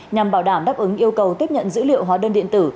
nhằm bảo đảm đáp ứng yêu cầu tiếp nhận dữ liệu hóa đơn điện tử